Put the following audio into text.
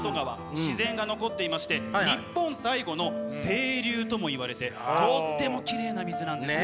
自然が残っていまして日本最後の清流とも言われてとってもきれいな水なんですね。